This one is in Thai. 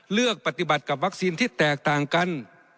เลือกปฏิบัติกับวัคซีนที่แตกต่างกัน